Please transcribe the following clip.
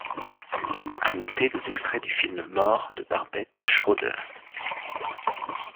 À noter des extraits du film More de Barbet Schroeder.